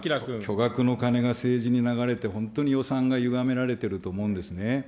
巨額の金が政治に流れて、本当に予算がゆがめられていると思うんですね。